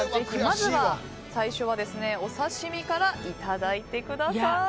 最初はお刺身からいただいてください。